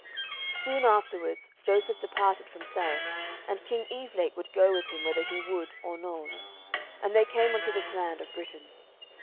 "Soon afterwards Joseph departed from Sarras, and King Evelake would go with him whether he would or nould, and they came unto this land of Britain.